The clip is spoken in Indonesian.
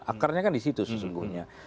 akarnya kan di situ sesungguhnya